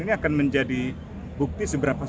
ini akan menjadi bukti seberapa